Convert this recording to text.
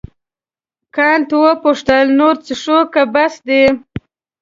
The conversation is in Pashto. کانت وپوښتل نور څښو که بس دی.